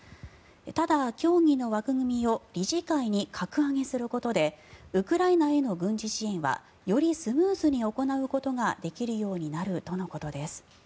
ただ、協議の枠組みを理事会に格上げすることでウクライナへの軍事支援はよりスムーズに行うことができるようになるとのことです。